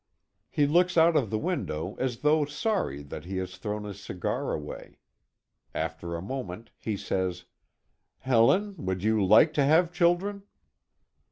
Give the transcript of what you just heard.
He looks out of the window as though sorry that he has thrown his cigar away. After a moment he says: "Helen, would you like to have children?"